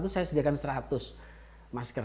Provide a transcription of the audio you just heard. saya sediakan seratus masker